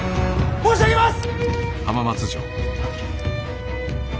申し上げます！